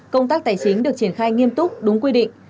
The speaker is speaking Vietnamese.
công tác tài chính được triển khai nghiêm túc đúng quy định